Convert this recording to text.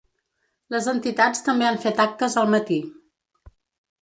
Les entitats també han fet actes al matí.